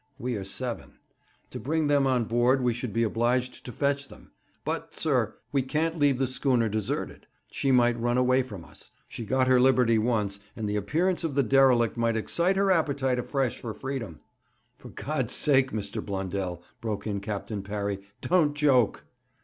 We are seven. To bring them on board we should be obliged to fetch them. But, sir, we can't leave the schooner deserted. She might run away from us. She got her liberty once, and the appearance of the derelict might excite her appetite afresh for freedom.' 'For God's sake, Mr. Blundell,' broke in Captain Parry, 'don't joke!'